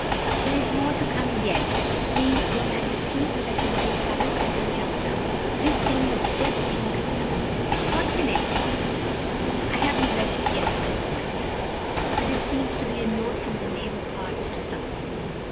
"There's more to come yet, please your ma jes ty," said the White Rab bit, as he jumped up; "this thing has just been picked up." "What's in it?" asked the Queen. "I haven't read it yet," said the White Rab bit, "but it seems to be a note from the Knave of Hearts to some one."